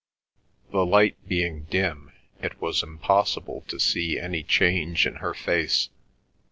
The light being dim, it was impossible to see any change in her face.